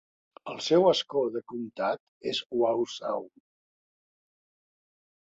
El seu escó de comtat és Wausau.